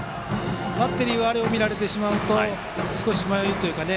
バッテリーはあれを見られてしまうと少し迷いというか。